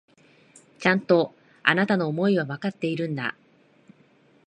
ちゃんと、あなたの思いはわかっているんだ。